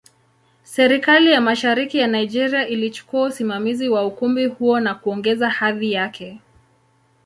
Serikali ya Mashariki ya Nigeria ilichukua usimamizi wa ukumbi huo na kuongeza hadhi yake.